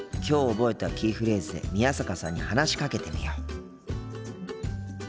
きょう覚えたキーフレーズで宮坂さんに話しかけてみよう。